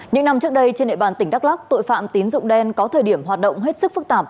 những năm trước đây trên địa bàn tỉnh đắk lắc tội phạm tín dụng đen có thời điểm hoạt động hết sức phức tạp